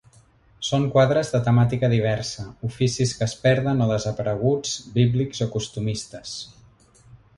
Són quadres de temàtica diversa: oficis que es perden o desapareguts, bíblics o costumistes.